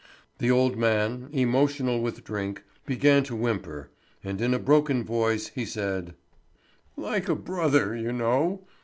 The old man, emotional with drink, began to whimper, and in a broken voice he said: "Like a brother, you know.